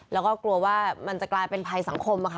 แล้วก็กลัวว่ามันจะกลายเป็นภัยสังคมอะค่ะ